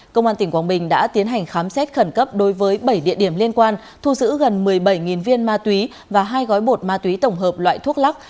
công an tỉnh quảng bình đã tiến hành khám xét khẩn cấp đối với bảy địa điểm liên quan thu giữ gần một mươi bảy viên ma túy và hai gói bột ma túy tổng hợp loại thuốc lắc